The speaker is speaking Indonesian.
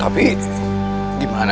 tapi gimana caranya